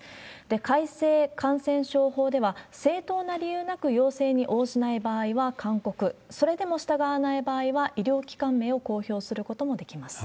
改正感染症法では、正当な理由なく要請に応じない場合は勧告、それでも従わない場合は医療機関名を公表することもできます。